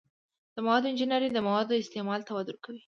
د موادو انجنیری د موادو استعمال ته وده ورکوي.